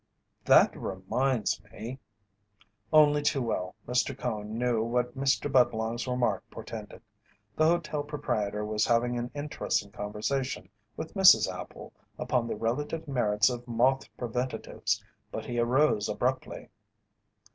"That reminds me " Only too well Mr. Cone knew what Mr. Budlong's remark portended. The hotel proprietor was having an interesting conversation with Mrs. Appel upon the relative merits of moth preventatives, but he arose abruptly.